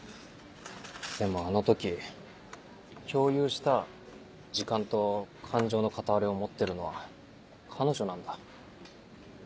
でもあの時共有した時間と感情の片割れを持ってるのは彼女なんだ。